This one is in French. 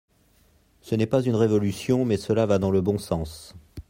Ce n’est pas une révolution mais cela va dans le bon sens.